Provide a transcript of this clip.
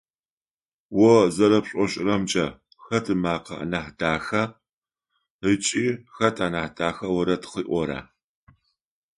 О зэрэпшӏошӏырэмкӏэ, хэт ымакъэ анахь даха ыкӏи хэт анахь дахэу орэд къыӏора?